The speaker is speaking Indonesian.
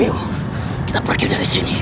ayo kita pergi dari sini